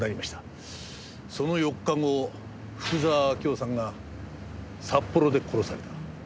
その４日後福沢明夫さんが札幌で殺された。